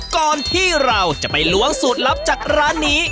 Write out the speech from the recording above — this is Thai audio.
ก่อนที่เราจะไปล้วงสูตรลับจากร้านนี้